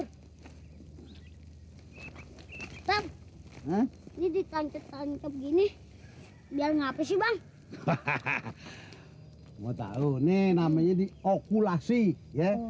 hai tetep ini ditangkap gini biar ngapain sih bang hahaha mau tahu nih namanya diokulasi ya